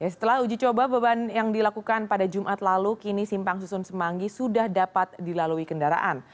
setelah uji coba beban yang dilakukan pada jumat lalu kini simpang susun semanggi sudah dapat dilalui kendaraan